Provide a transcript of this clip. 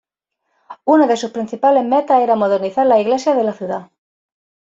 Una de sus principales metas era modernizar las iglesias de la ciudad.